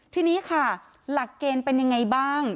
ทีนี้ค่ะหลักเกณฑ์เป็นยังไงบ้าง